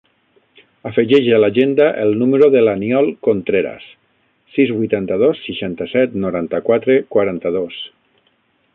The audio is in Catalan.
Afegeix a l'agenda el número de l'Aniol Contreras: sis, vuitanta-dos, seixanta-set, noranta-quatre, quaranta-dos.